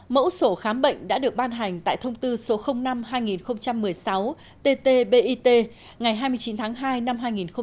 mẫu sổ khám bệnh đã được ban hành tại thông tư số năm hai nghìn một mươi sáu tt bit ngày hai mươi chín tháng hai năm hai nghìn một mươi bảy